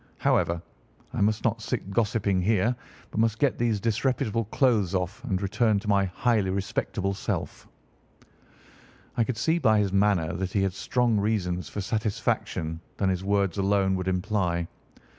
However, I must not sit gossiping here, but must get these disreputable clothes off and return to my highly respectable self." I could see by his manner that he had stronger reasons for satisfaction than his words alone would imply.